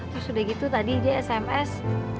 terus udah gitu tadi dia sms